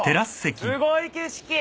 すごい景色。